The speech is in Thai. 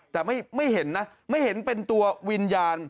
แต่ไม่เห็นนะไม่เห็นเป็นตัววิญญาณ